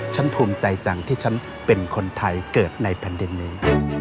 ภูมิใจจังที่ฉันเป็นคนไทยเกิดในแผ่นดินนี้